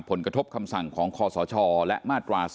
ผลกระทบคำสั่งของคศและม๔๔